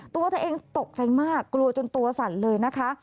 ตัวเธอเองตกใจมากกลัวจนตัวสั่นเลยนะคะ